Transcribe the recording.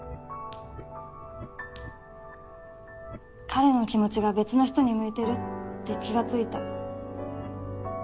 彼の気持ちが別の人に向いているって気が付いた。